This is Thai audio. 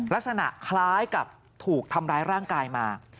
ลักษณะคล้ายกับถูกทำร้ายร่างกายมา